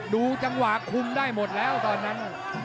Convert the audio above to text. ดูจังหวะคุมได้หมดแล้วตอนนั้น